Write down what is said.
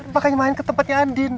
makanya main ke tempatnya andin